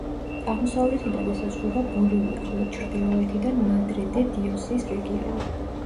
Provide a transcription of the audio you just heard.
აღმოსავლეთიდან ესაზღვრება ბოლივია, ხოლო ჩრდილოეთიდან მადრე-დე-დიოსის რეგიონი.